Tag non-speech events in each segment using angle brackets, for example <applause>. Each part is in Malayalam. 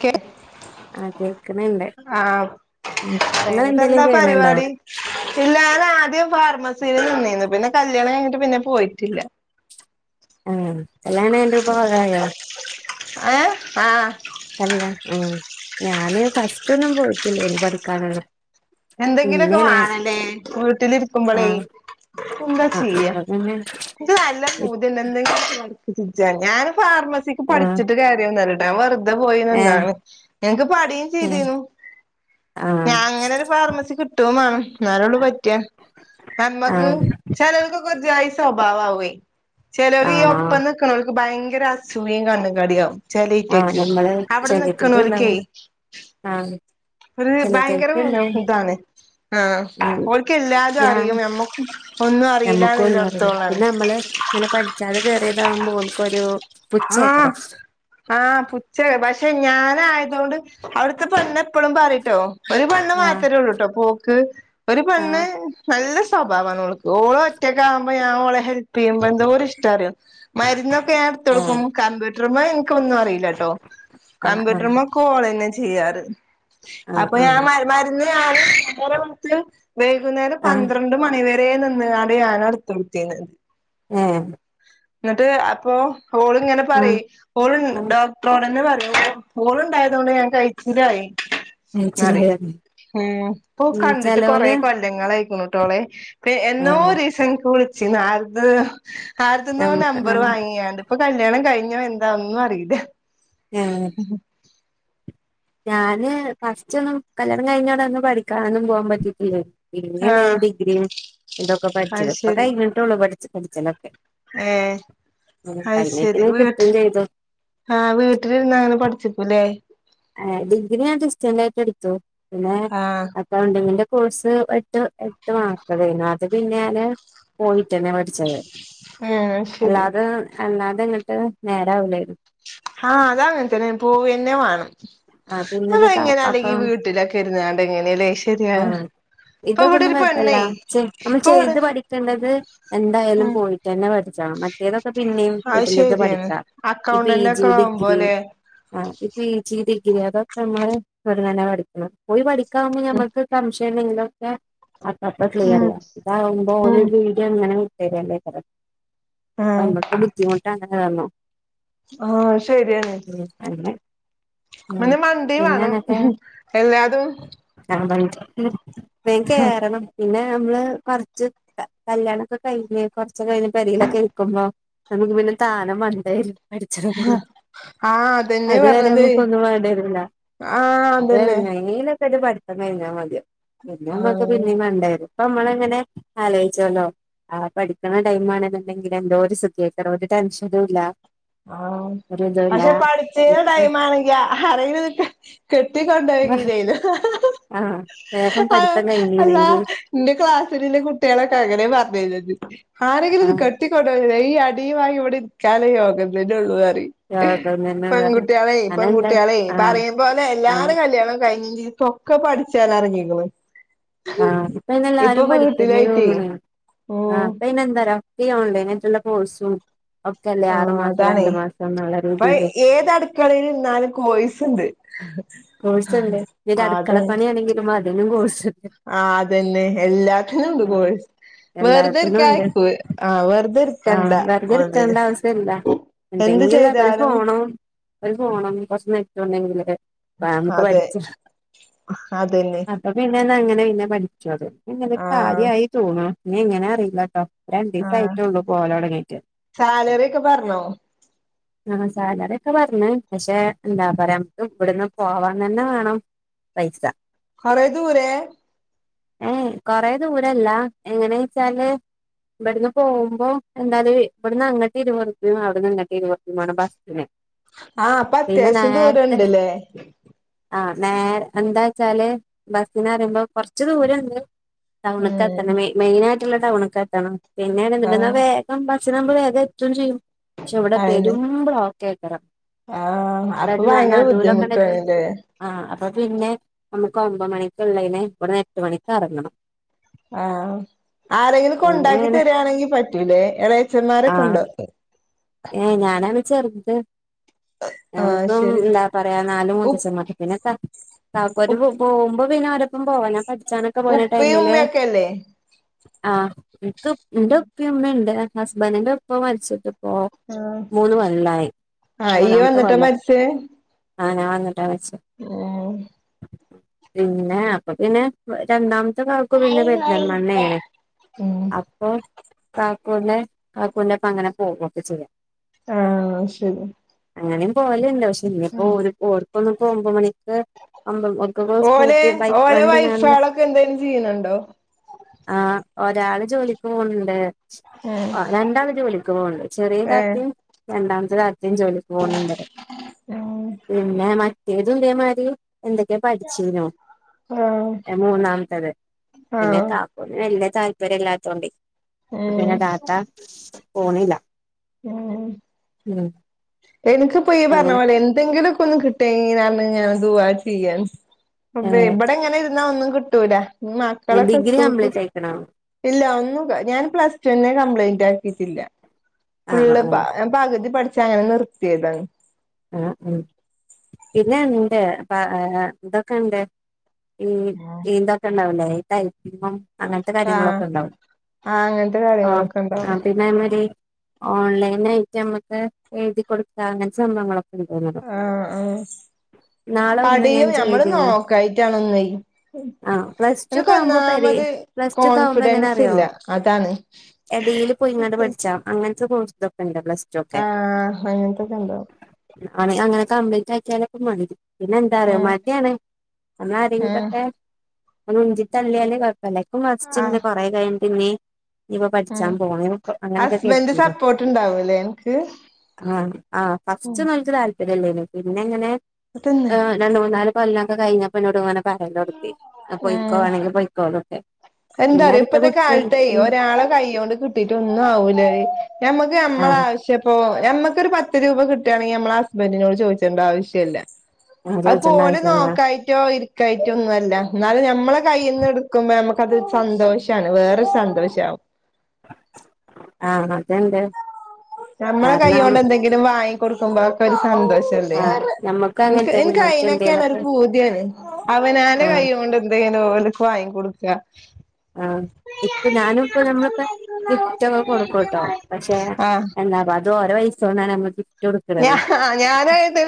ക ആ കേക്കുന്നുണ്ട്േ അേനത്തെ എന്താ പരിപാടി ഇല്ലാല ആദ്യം ഫാർമസി ന്നന്ന് പിന്നെ കല്യാണം കഴഞ്ഞിട്ട് പിന്നെ പോയിട്ടില്ല ആഹ എല്ലാണ് എന്റെപഗായോ ആഹ കല്ല ഉ ഞാന് ഫസ്റ്റ്ൊന്നും പോയിട്ടില്ലേ എനി പഠിക്കാനുള്ള എന്തെങ്കിലുമൊക്കെ വേണല്ലേ വീട്ടിലിരിക്കുമ്പോളേ ആഹ് എന്താ ആഹ് ചെയ്യാ ഇപ്പൊ പിന്നെ ഇത് നല്ലാം പോതില്ല എന്തെങ്കിലും നടക്ക ഞാൻ ഫാർമസിക്ക് ആഹ് പഠിച്ചിട്ട് കാര്യംന്നല്ലട്ട വെതെ പോയിാണ് ഏഹ് നിങ്ങക്ക് പടയും ഏഹ് ചെയ്തു ആഹ് ഞങ്ങനെ ഫാർമസി കിട്ട വേ എന്നള്ള പറ്റിയ നമ്മക്ക് ആഹ് ചിലക്കൊക്കെ തായി സ്വഭാവവേ ചിലർ ഈ ആഹ് ഒപ്പം നിൽക്കണവർക്ക് ഭയങ്കര അസൂഖയും കണ്ണുംകാടി യാവും ആഹ് ചലീറ്റേക്ക് നമ്മള് അവിടെ നിക്കണ ചെറിയറ്റക്ക് അലക്കേ ഉണ്ടാവും ആഹ് ഒരു ഭയങ്കര ചെറിയറ്റക്ക് ഉണ്ടാവും ഇതാണ് ആ ഓടുക്കല്ലാതെ അറിയും എമ്മക്കും നമ്മുക്ക ഒന്നും അറിയില്ല പിന്നെ നമ്മള് ഇങ്ങനെ പഠിച്ചാതെ വേറിയതകുമ്പോ നമക്കൊരു പുച്ഛേക്കര ആഹ് ആഹ് പുച്ഛ പക്ഷെ ഞാന ആയത കൊണ്ട് അവിടത്തെപ്പോൊെ എപ്പോഴും പറട്ടോ ഒരു പണ്ണ് ആഹ് മാത്രമേ ഉള്ളൂട്ടോ പോക്ക് ഒരു പണ്ണ് ആഹ് നല്ല സ്വഭാവമാണ്ക്ക് ഓള് ഒറ്റൊക്കെ ആവുമ്പോ ഞാൻ അവളെ ഹെപ് ചെയ്യുമ്പോ എന്തോും ഇഷ്ട അറിയ മരുന്ന ഏഹ് ടുത്ത്ടുക്കും കമ്പ്യൂട്ടർമ്മ എനിക്ക ഒന്നും അറിയില്ല കേട്ടോ ആഹ് ആഹ് കമ്പ്യൂട്ടർമ്മ കോള ചെയ്യാറ് ആഹ് അപ്പൊ ഞാൻ ആഹ് മരുന്ന ആള്ത്ത് വൈകുന്നേരം ആഹ് പന്ത്രണ്ട് മണിവരെ നിന്ന കാാടെ ഞൻ അടുത്തടുത്തിരുന്നത് ആഹ എന്നിട്ട് അപ്പൊ ഓളിങ്ങനെ പറ ആഹ് ഓൾ ആഹ് ഡോക്ടറോടെന്നെ പറയ പോളുണ്ടായതുക കൊണ്ട് ഞാൻ കഴിച്ചില്ലായി മാറി ഉ ഇപ്പൊ ഉം കണ്ടിട്ട് കൊറ ചെലോല് കൊല്ലങ്ങളായി ട്ടോളെ എന്നോ ഏഹ് രീസംളിച്ച നമ്പർ ഞമ്മ വാങ്ങിയാണ്ട് ഇപ്പൊ കല്യാണം കഴിഞ്ഞ എന്താന്നും അറിയില്ലേ ഉം ഞാന് ഫസ്റ്റ് ഒന്നും കല്യാണം കഴിഞ്ഞോട ഒന്നും പഠിക്കാൊന്നും പോകാൻ പറ്റിട്ടില്ലേ പിന്നനെ ആഹ് ഡിഗ്രിയും ഇതൊക്കെ പഠിച്ചത് ഇപ്പൊ കഴിഞ്ഞിട്ടേ ഉള്ളൂ പഠിച്ചു പഠിച്ചല്ലോ ഏ അത് ശരി കഴിഞ്ഞേക്കിന് കിട്ടും വീട്ട് ചെയ്തു ആഹ് വീട്ടിലിരുന്ന അങ്ങനെ പഠിച്ചിിക്കൂല്ലേ ഡിഗ്രി ഞാൻ റിസ്റ്റന്റ് ആയിട്ട് എടുത്തു പിന്നെ ആഹ് അക്കൗണ്ടിങ്ങിന്റെ കോഴ്സ് എട്ട് മാത്രതരുന്നു അത് പിന്നെ ഞാന് പോയിട്ടന്നെ ഏഹ് ശരി അല്ലാതെ അല്ലാതെ ഇങ്ങട്ട് നേരാവില്ല ആഹ അത അങ്ങനെ തന്നെ പോൂവന്നെ വേണം ആഹ് അത പിന്നെത് എങ്ങനെ അക്കൗ അല്ലെങ്കി വീട്ടിലൊക്കെ ഇരുന്നാണ്ട് എങ്ങനെയല്ലേ ശെരിയാ ഇതൊക്കെ ഒന്നും പറ്റല്ല നമ്മൾ ഇപ്പൊ ഇവിടെ ചെയ്ത് പഠിക്കേണ്ടത് എന്തായാലും ഉം പോയിട്ട് തന്നെ പഠിക്ക അ മറ്റേത പിന്നെയും അത് വീട്ടിലേക്കെ ശരിയാണ് പഠിക്കാം ഈ പി അക്കൗണ്ടന്റ് ജി ഒക്കെ ഡിഗ്രി ആവുമ്പോലെ പിച്ച്ി ഡിഗ്രി അതൊക്കെ നമ്മള് പ തന്നെ പഠിക്കണം പോയി പഠിക്കാവുമ്പോ ഉം ഞമുക്ക് സംം െിലൊക്കെ അക്കപ്പ ക്ലിയർ ഉം ചെയ്യ ഇതകുമ്പോ ഒരു ഉം വീഡിയോങ്ങനെ ശരില്ലേ ക വ ആഹ് മട്ട ബുദ്ധിമട്ട് അങ്ങനെ വോ ആഹ ശരിയന്നെ ഉം അങ്ങനെ ഉം പിെ വണ്ടി വേണം പിന്നെന്നൊക്കെ എല്ലാതും ആ വെങ്കയ കാരണം പിന്നെ നമ്മള് കൊറച്ച് കല്യാണംൊക്കെ കഴിഞ് കൊറച്ചൊക്കെ കഴ പരിലൊക്കെ ഇക്കുമ്പോ നമുക്ക് പിന്നെ ഠ അ ന ആഹ് അതന്നെ പറഞ്ഞത് അത ആഹ് അതന്നെ പഠിത്തം കഴിഞ്ഞാൽ മതി പിന്നെ അമ്മക്കക്ക് ആഹ് പിന്നെയ വണ്ടായിരുന്നു അപ്പൊ നമ്മള എങ്ങനെ ആലോചിച്ചോല്ലോ ആ പഠിക്കുന്ന ടൈംമാണെന്നെണ്ടെങ്കില എന്തോ ഒരു സുദ്ഖീക്കറ ഒരു ടെൻഷനും ഇല്ല ആഹ ഒരു ഇതുല്ല പക്ഷെ പഠിച്ചത് ഇപ്പൊ ടൈം ആണെങ്കാ ആ അറയിത്െ കെട്ടിക്കൊണ്ടപകതായിരുന്നു ആ വേഗം ആ പഠിത്തം അല്ലാ കഴിഞ്ഞീനെങ്കിൽ നിന്റെ ക്ലാസ്സിലെ കുട്ടികളൊക്കെ അങ്ങനെ പറഞ്ഞര ആാരഗര ആ ഇത് കട്ടിിക്ക കൊടഈ അടിിയവാായി ഓടി കാലക ഇ ഉള്ള യോഗം തന്നെ വേണം പെൺകുട്ടികളെ അതെന്താ പെൺകുട്ടികളെ ആ ഇപ്പ അറിയുമ പോലെ ആ എല്ലാരും കല്യാണം കഴിഞ്ഞ ൊക്കെ പഠിച്ചൻറിങ്ങിരിക്കുന്നു ആഹ് ഇപ്പെല്ലാരും പഠിക്കന്ന ആ ഉം അപ്പ ഇന്നെന്തരാ ഈ ഓൺലൈന ആയിട്ടുള്ള കോഴ്സും ഒക്കെല്ലേ ആറു മാസം രണ്ട മാസം അപ്പൊ രീതിയില് ഏത് അടുക്കളും ഇന്നാലക്ക് വയിസ്ുണ്ട് കോഴ്സ് ഉണ്ട് അടുക്കളപ്പണിയാണെങ്കിലും അതിനും കോഴ്സ് ആ അതന്നെ എല്ലാത്തിനും ഉണ്ട് ആഹ് കോഴ വെറതെരിക്ക എല്ലാത്തിനും ഉണ്ട് ആയക്കൂ ആഹ് വെറുതെ ഇരിക്കണ്ട ആഹ് വെറുതെ ന്ന് ഇരിക്കേണ്ട ആവശ്യല്ല എന്ത് എന്തെങ്കിലും ഒരു ചെയ്താലും ഫോണും ഒരു പോോണം കൊറച്ച നട്ടോണ്ടെങ്കിൽ അ നമുക്ക് അതെ പഠിച്ച് അതന്നെ അപ്പൊ പിന്നെ അങ്ങനെ പിന്നെ പഠിച്ചത് <unintelligible> ഒരു ആഹ് കാര്യായി തോന്നു എങ്ങനെ അറിയില്ലാട്ടോ ആഹ് രണ്ടീസായിട്ടൊള്ളൂ പോവല് തൊടങ്ങീട്ട് സാലറി ഒക്കെ പറഞ്ഞോ ആ സാലറിയൊക്കെ പറഞ്ഞ് പക്ഷെ എന്താ പറയാ നമുക്ക് ഇവിടന്ന് പോവാൻ തന്നെ വേണം പൈസ കൊറേ ദൂരേ ഏ കൊറേ ദൂരല്ലാ എങ്ങനെ വെച്ചാല് ഇവിടന്ന് പോകുമ്പോ എന്തായാലും ഇവിടന്ന് അങ്ങട്ട് <unintelligible> അവിടുന്ന് ഇങ്ങട്ട് <unintelligible> ആണ് ബസ്സിന് ആ അപ്പ പിന്നെ അത്യാവശ്യം ദൂരുണ്ടല്ലേ ആ നേരേ എന്താ വെച്ചാല് ബസിന് അറിയുമ്പോ കൊറച്ച് ദൂരിണ്ട് ടൗണിക്കെത്തെ ഉം മെ മെയിൻ ആയിട്ടുള്ള ടൗണിക്ക് എത്തണം പിന്നെ ആഹ് <unintelligible> വേഗം <unintelligible> നമ്മള് വേഗം എത്തുകേം ചെയ്യും പക്ഷെ ഇവിടെ അയന്നെ പെരും ബ്ലോക്കാരുന്നു ആഹ് <unintelligible> അപ്പൊ അതായത് ഭയങ്കര നടുവിലൊക്കെ ബുദ്ധിമുട്ടാണല്ലേ ആ അപ്പൊ പിന്നെ നമുക്ക് ഒമ്പത് മണിക്കുള്ളതിന് ഇവിടന്ന് എട്ട് മണിക്ക് എറങ്ങണം ആ ആരെങ്കിലും കൊണ്ടാക്കി പിന്നെ തരികാണെങ്കി പറ്റൂലേ ഇളയച്ചന്മാരൊക്കെ ഉണ്ടോ ഏ ഞാനാണ് ചെറ്ത് ആഹ് നമുക്ക് ശരി എന്താ പറയാ നാല് ഉ <unintelligible> പിന്ന ഉ താക്കോല് പോകുമ്പോ പിന്നെ ഓരപ്പം പോവാഞാ പഠിച്ചാനൊക്കെ പോയിന ഉപ്പയും ടൈമില് ഉമ്മയൊക്കെല്ലേ ആഹ് എനിക്ക് എന്റെ ഉപ്പ ഉമ്മയുണ്ട് ഹസ്ബൻഡിന്റെ ഉപ്പ മരിച്ചിട്ട് ഓ ആഹ് മൂന്ന് കൊല്ലായി ആഹ് ഇയ്യ് മൂന്നാമത്തെ വന്നിട്ടാ കൊല്ലം <unintelligible> ആ പിന്നെ അപ്പൊ പിന്നെ രണ്ടാമ ഇത്ത കാക്കൂ പിന്നെ പെരിന്തൽമണ്ണേണ് ഉം അപ്പൊ കാക്കൂന്റെ കാക്കൂൻ്റൊപ്പം അങ്ങനെ പോവൊക്കെ ചെയ്യാം ആ ശരി അങ്ങനെയും പോവല്ണ്ട് പക്ഷെ ഇനിയിപ്പോ ഓൽക്കൊന്നും പ്പം ഒമ്പമണി ഒക്കെ <unintelligible> ഓലെ സ്കൂട്ടി ബൈക്ക് ഓലെ വണ്ടി <unintelligible> വൈഫാളൊക്കെ എന്തേലും ചെയ്യണുണ്ടോ ആ ഒരാള് ജോലിക്ക് പോണിണ്ട് ഉം രണ്ടാള് ജോലിക്ക് പോണ്ട് ചെറിയ ഏഹ് താത്തേം രണ്ടാമത്തെ താത്തേം ജോലിക്ക് പോണുണ്ട് ഉം പിന്നെ മറ്റേത് ഇതേ മാതിരി എന്തൊക്കെയാ പഠിച്ചീനു ആഹ് മൂന്നാമത്തത് പിന്നെ ആഹ് കാക്കുന് <unintelligible> താല്പര്യം ഇല്ലാത്തോണ്ട് ഉം പിന്നെ ഡാറ്റാ ഫോണില്ലാ ഉം എനക്ക് ഈ പറഞ്ഞ അങ്ങനെ പോലെ എന്തെങ്കിലുമൊക്കെ ഒന്ന് കിട്ടേനേങ്കി ഞാൻ ഞാന് ദുവാ ചെയ്യാ ഇവിടെ ഇങ്ങനെ ഇരുന്നാ ഒന്നും കിട്ടൂലാ മക്കളൊക്കെ ഡിഗ്രി സ്കൂള് കംപ്ലീറ്റ് ആയിക്കണോ ഇല്ല ഒന്നും ഞാൻ പ്ലസ് ടൂൻ്റെ കംപ്ലീറ്റാക്കിയിട്ടി ആ ആ ഫുള്ള് പാ ല്ലാ ആ ഞാൻ പകുതി പഠിച്ചോ <unintelligible> അങ്ങനെ നിർത്തിയതാണ് ആ ഉം പിന്നെണ്ട് അപ്പ ഇതൊക്കെ ഇണ്ട് ഈ ആഹ് ഈന്തൊക്കെ ഇണ്ടാവുലേ <unintelligible> അങ്ങനത്തെ ആഹ് കാര്യങ്ങളൊക്കെ ഇണ്ടാവും ആ അങ്ങനത്തെ ആ കാര്യങ്ങളൊക്കെ ഉണ്ടാവും ആ പിന്നെ <unintelligible> ഓൺലൈൻ ആയിട്ട് നമ്മുക്ക് എഴുതി കൊടുക്കാ അങ്ങനെ സംഭവങ്ങള ആ ആ നാളെ ഒന്ന് ഞാൻ പടിയും ഞമ്മള് ചെയ്തീനു നോക്കായിട്ടാണന്നേ ആഹ് പ്ലസ് ടു എനക്ക് ഒക്കെ ആവുമ്പോ പെരെ ഒന്നാമത് പ്ലസ് ടു ഒക്കെ ആവുമ്പോ കോൺഫിഡൻസ് ഇല്ല അതാണ് ഇത് പോയിങ്ങാണ്ട് പഠിച്ചാം അങ്ങനത്തെ കോഴ്സ് ഉണ്ട് പ്ലസ് ടു ആ അങ്ങനത്തൊക്കെ ഇണ്ടാവും ആണ് അങ്ങനെ കംപ്ലീറ്റ് ആക്കിയാലൊക്കെ മതി പിന്നെന്താ അറിയ ഉം മടിയാണ് അ ഉം ആരെങ്കിലൊക്കെ അ ഉന്തി തള്ളിയാലേ വലക്കും വാധിച്ചു ആ പിന്നെ കൊറെ കഴിഞ്ഞ് പിന്നെ ഇവ ഉം പഠിച്ചാൻ പോണോ അങ്ങനെയൊക്കെക്ക ഹസ്ബൻഡ് കരുതിനു സപ്പോർട്ട് ഉണ്ടാവൂലേ അനക്ക് ആഹ് ആ ഫസ്റ്റ് നല്ലരു താല്പര്യമല്ലേ പിന്നെ ഇങ്ങനെ തിന്ന് രണ്ട് മൂന്നാല് കൊല്ലൊക്കെ കഴിഞ്ഞപ്പം ന്നൊടുങ്ങനെ പറയലൊട്ങ്ങി പൊയ്ക്കോ വാണെങ്കി പൊയ്ക്കോന്നൊക്കെ എന്താ പിന്നെ റിയൊ അടുത്ത ഇപ്പത്തെ കുട്ടിയാണ് കാലത്ത് ഉം ഒരാളെ കൈകൊണ്ട് കിട്ടിട്ടൊന്നും ആവൂലേ ഞമ്മക്ക് നമ്മളെ ആഹ് ആശ്യ ഇപ്പ മമ്മക്കൊരു പത്ത് രൂപ കിട്ടുകയാണെങ്കിൽ നമ്മെ ഹസ്ബന്ഡറിനോട് ചോദിച്ചേണ്ട ആവശ്യമല്ല അത് ചോദിച്ചണ്ട പോല് ആവശ്യല്ല നോക്കായിട്ടോ ഇ കയിറ്റൊന്നും അല്ല എന്നാലും ഞമ്മളെ കൈയിൽന്ന് എടുക്കുമ്പോ നമുക്കത് സന്തോഷമാണ് വേറൊരു സന്തോഷമാവും ആഹ് അതെണ്ട് നമ്മളെ കൈ കൊണ്ട് എന്തെങ്കിലും വാങ്ങി കൊൊടുക്കുമ്പോക്കെ ഒരു സന്തോഷല്ലേ ആഹ് ഞമ്മക്ക് അങ്ങനെ ക്ക് തന്നെ ഓൽക്ക് അയിനക്കെയാണ് ഒരു എന്തേലൊക്കെ പൂതിയന് അവനാ ൻ്റെ ആഹ് കൈകൊണ്ട് എന്തെങ്കിലും ഓൽക്ക് വാങ്ങി കൊടുക്കുക ഉ ആഹ് ഇപ്പൊ ഞാനും ഇപ്പ നമ്മളിപ്പോ ഗിഫ്റ്റ്ക്കെ കൊടുക്കുംട്ടോ പക്ഷെ- ആഹ് എന്താ അ അത് ഓരെ പൈസോണ്ട് നമ്മളി ഗി ഞ ഞാനായി തെ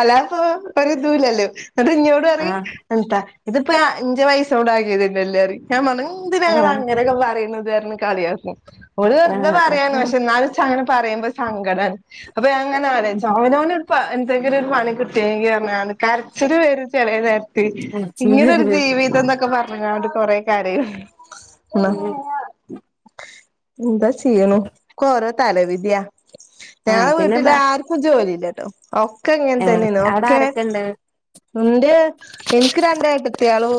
അല്ലാപരുതൂല്ലല്ലോ അത് ഇഞ്ഞോട് പറിം ആഹ് എന്താ ഇതിപ്പോ ൻ്റെ പൈസോണ്ട് വാങ്ങ്യതന്നെല്ലേന്ന് പറിം ഞാൻ പറഞ്ഞ് എന് ഞങ്ങൾ ആഹ് അങ്ങനെയൊക്കെ പറയുന്നത്തായിരുന്നു കള്യാക്കും വെറുതെ ആഹ് പറയാണ് അപ്പൊ പക്ഷെ എന്നാ വച്ചാനെ പറയുമ്പോ സങ്കടാണ് അപ്പൊ അങ്ങനെ ആലോയ്ച്ചും അവനവന് ഇപ്പ എന്തെങ്കിലും ഒരു പണി കിട്ടിയെങ്കി പറഞ്ഞത് കരച്ചില് വരും ചെല നേരത്ത് ഇങ്ങനെ ഒരു ജീവിതം എന്നൊക്കെ പറഞ്ഞാണ്ട് കൊറെ കരയും എന്ന എന്താ ചെയ്യണു കൊ ഓരോ തല വിധിയാ ആഹ് പിന്നെ വീട്ടില്ല ആർക്കും ജോലിയില്ലട്ടോ ഒക്കെ ഇങ്ങനെ ഏഹ് തന്നെയാണ് അവിടെ ഒക്കെ ആരൊക്കെണ്ട് ഉണ്ട് എനിക്ക് രണ്ട് ഏട്ടത്ത്യാളും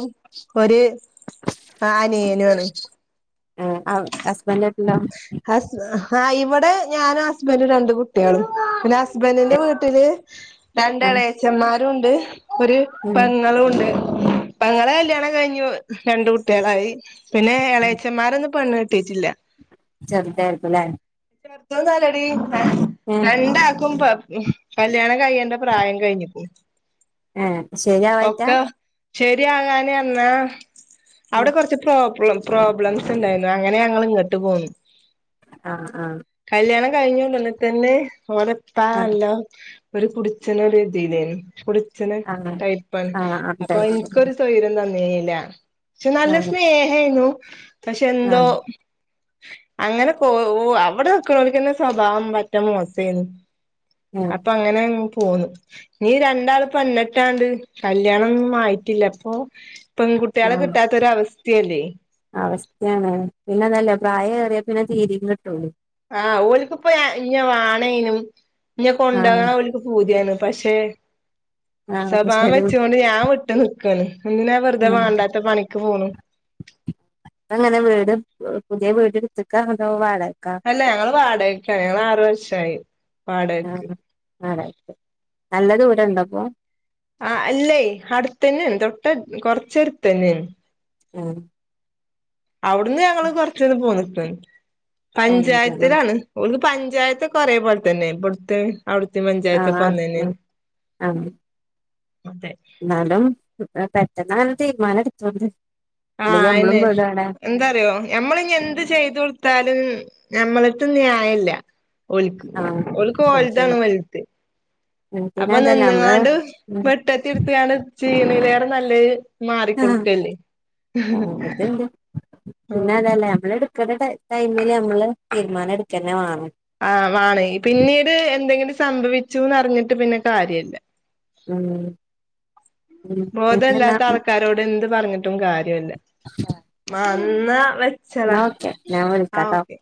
ഒരു- ആഹ അന ണ് ആ ഹസ്ബൻഡ ആട്ടല്ലോ ആഹ് ഇവിടെ ഞാനും ഹസ്ബൻറും രണ്ട് കുട്ടികള് പിന്നെ ഹസ്ബൻറിിന്റെ വീട്ടില്- ആഹ് രണ്ടളയച്ചന്മാരുും ഉണ്ട് ഒരു ഉം പെങ്ങളളും ഉണ്ട് ഇ പെങ്ങളെ കല്യാണം കഴിഞ്ഞു രണ്ട കുട്ടികളായി പിന്നെ എളയച്ചന്മാരൊന്ന് പണ് ട്ടേറ്റില്ല ചലട്ടക്കല്ലേ എത്തന്നല്ലടി രണ്ടാക്കും കല്യാണം കഴ്യേണ്ട പ്രായം കഴിഞ്ഞിപ്പോ ആഹ ശരിയാവായിട്ടാ ശെരിയാകാനെന്നാ അവിടെ കുറച്ച് പ്രോബ്ലംോബ് ണ്ടായി അങ്ങനെ ഞങ്ങൾ ഇങ്ങോട്ട് പോുന്നു ആഹ് ആഹ് കഴിഞ്ഞന്ന തന്നെ നമ്മടെ ആ പാല്ല ഒരു കുടിച്ചഛന വേത് ചെയതരുന്നു ആ അച്ഛന്ടപ്പാണ് ആ അപ്പൊ അതായിരിക്കും എനിക്കൊരു സ്വൈര്യം തന്നേല്ല പക്ഷെ നല്ല ആ സ്നേഹനു ക്ഷേ ആ ന്തോ അങ്ങനെ കൊ അവിടെ ക്ക്ണോരിക്കന്നെ സ്വഭാവം പറ്റാ മോസേനി ആ അപ്പൊ അങ്ങനെ പോന്നു നീ രണ്ടാള് പെണ്ണെട്ടാണ്ട് കല്യാണൊന്നും ആയിട്ടില്ല അപ്പൊ ആ പെൺകുട്ടികളെ കിട്ടാത്തൊരവസ്ഥയല്ലേ അവസ്ഥയാണ് പിന്നെതല്ല പ്രായം ഏറിയാ പിന്നെ തീര കിട്ടുള്ളൂ ആഹ് ഓലക്ക് ഇപ്പ ഇന്നെ വാണേനും ഇന്നെ ആ കൊണ്ടോകാൻ ഓൽക്ക് പൂതിയാണ് പക്ഷേ ആ സ്വഭാവം ശരി വെച്ചൊണ്ട് ഞാൻ വിട്ട് നിക്കാണ് എന്തിനാ വെറുതെ വാണ്ടാത്തെ പണിക്ക് പോണു അങ്ങനെ വീട് പുതിയ വീട് ഇട്ത്ത്ക്ക അതൊ വാട അല്ല ഞങ്ങള് വാടകക്കാണ് ഞങ്ങള് ആറു വർഷായി ആ വാടകക്ക് വാടകക്ക് നല്ല ദൂരം ഇണ്ടപ്പൊ ആ അല്ലേ അടുത്തന്നെആണ് തൊട്ട് കൊറച്ചടുത്തന്നെയാണ് ഉം അവിടുന്ന് ഞങ്ങള് കൊറച്ചൊന്ന് പോന്നിട്ട് പഞ്ചായത്തിലാണ് പഞ്ചായത്ത് കൊറേ പോലത്തന്നെ ഇബട്ത്തെ അവിട്ത്തെ ആ പഞ്ചായത്തൊക്കെ ആ ഒന്നെ ന്നെയാണ് എന്നാലും പെട്ടെന്ന് അങ്ങനെ തീരുമാനം എടുതോണ്ട് ആ അയിനെ എന്താന്നറിയോ ഞമ്മള് ഇനി എന്ത് ചെയ്ത് കൊട് ത്താലും ഞമ്മളെര്ത്ത് ന്യായല്ല ആഹ് ഓൽക്ക് ഒഴിച്ചില്ല ഓൽതാണ് വൽത് ഉം പിന്നെ അപ്പൊ അതല്ല നമ്മള് നിന്നാണ്ട് ഉം വെട്ടത്തി എടുത്തുകാണ് ചീണിലയറ നല്ലത് ആ മാറിക്കൊടുക്കല്ലേ അത്ണ്ട് പിന്നെ ആഹ് അതല്ല നമ്മള് എടു ടൈമില് നമ്മള് തീരുമാനം എടുക്കന്നെ വേണം സംഭവിച്ചുന്നറിഞ്ഞിട്ട് പിന്നെ കാര്യല്ല ഉം ഉം പിന്നെന്നാ ബോധല്ലാത്ത ആൾക്കാരോട് എന്ത് പറഞ്ഞിട്ടും കാര്യല്ല അന്നാ വെച്ചളാ എന്നാ ഓക്കെ ഞാൻ ആ വിളിക്കാട്ടോ ഓക്കെ